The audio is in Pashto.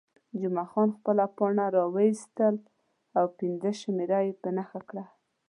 جمعه خان خپله پاڼه راویستل او پنځمه شمېره یې په نښه کړل.